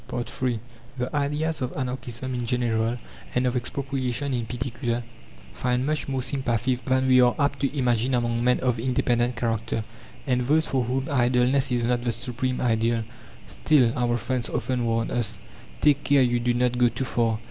III The ideas of Anarchism in general and of Expropriation in particular find much more sympathy than we are apt to imagine among men of independent character, and those for whom idleness is not the supreme ideal. "Still," our friends often warn us, "take care you do not go too far!